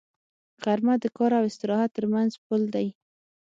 غرمه د کار او استراحت تر منځ پل دی